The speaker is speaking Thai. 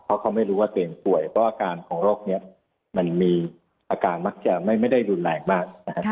เพราะเขาไม่รู้ว่าตัวเองป่วยเพราะอาการของโรคนี้มันมีอาการมักจะไม่ได้รุนแรงมากนะครับ